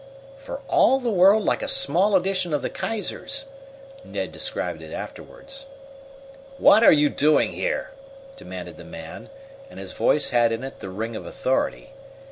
"For all the world like a small edition of the Kaiser's," Ned described it afterward. "What are you doing here?" demanded the man, and his voice had in it the ring of authority.